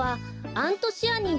アントシアニン？